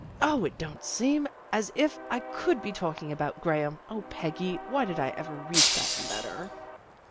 0, it don't seem as if I could be talking about Graham. 0, Peggy, why did I ever read that letter?